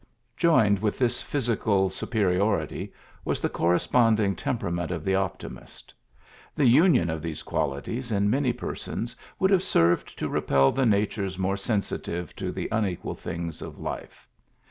'' Joined with this physical superi ority was the corresponding temperament of the optimist. The union of these quali ties in many persons would have served to repel the natures more sensitive to the unequal things of life.